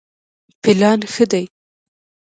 پلان ښه دی.